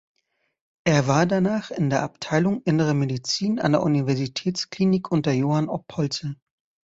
Er war danach in der Abteilung Innere Medizin an der Universitätsklinik unter Johann Oppolzer.